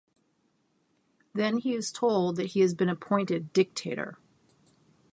Then he is told that he has been appointed dictator.